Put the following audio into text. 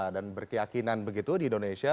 dan berkeyakinan begitu di indonesia